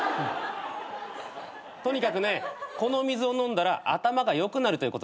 とにかくねこの水を飲んだら頭が良くなるということですね。